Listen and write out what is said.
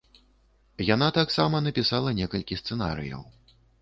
Яна таксама напісала некалькі сцэнарыяў.